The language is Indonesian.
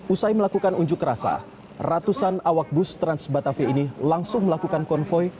usai melakukan unjuk rasa ratusan awak bus transbatavia ini langsung melakukan konvoy